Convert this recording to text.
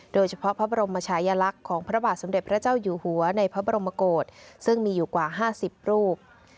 โดยเฉพาะพระบรมชายลักษณ์ของพระบาทสมเด็จพระเจ้าอยู่หัวในพระบรมโกศซึ่งมีอยู่กว่า๕๐รูป